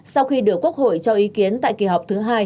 sau khi được quốc hội cho ý kiến tại kỳ họp thứ hai